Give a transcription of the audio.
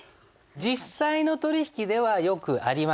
実際の取引ではよくありますよね